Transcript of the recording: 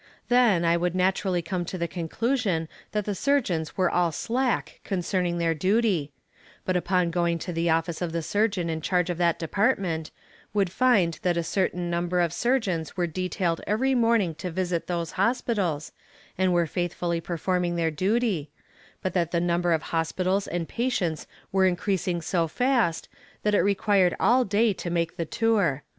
Then, I would naturally come to the conclusion that the surgeons were all slack concerning their duty but upon going to the office of the Surgeon in charge of that department, would find that a certain number of surgeons were detailed every morning to visit those hospitals, and were faithfully performing their duty; but that the number of hospitals and patients were increasing so fast that it required all day to make the tour.